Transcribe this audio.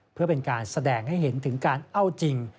เพื่อเป็นการแสดงให้เห็นถึงการเอาจริง